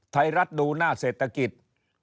ไทยรัฐดูหน้าเศรษฐกิจ